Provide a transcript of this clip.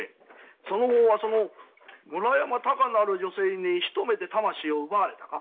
その方はその村山たかなる女性に一目で魂を奪われたか？